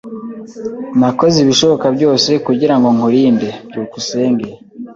Nakoze ibishoboka byose kugirango nkurinde. byukusenge